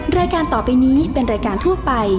แม่บ้านประจำบาน